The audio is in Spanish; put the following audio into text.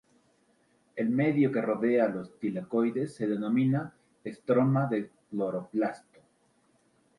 El medio que rodea a los tilacoides se denomina estroma del cloroplasto.